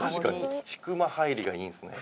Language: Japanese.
ちくま入りがいいんですね。